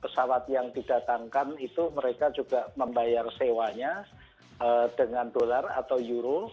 pesawat yang didatangkan itu mereka juga membayar sewanya dengan dolar atau euro